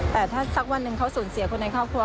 แต่ถ้าสักวันหนึ่งเขาสูญเสียคนในครอบครัว